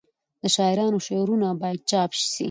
د شاعرانو شعرونه باید چاپ سي.